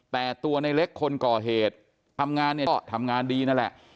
แต่ตัวในเล็กคนก่อเหตุทำงานเนี่ยก็ทำงานดีนั่นแหละ